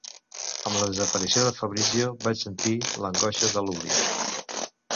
Amb la desaparició del Fabrizio vaig sentir l’angoixa de l’oblit.